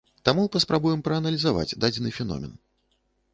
Таму паспрабуем прааналізаваць дадзены феномен.